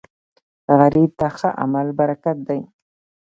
غریب ته ښه عمل برکت دی